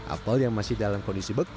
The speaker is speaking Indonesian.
apel yang masih dalam kondisi beku